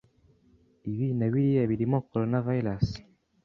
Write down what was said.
ibi na biriya birimo coronavirus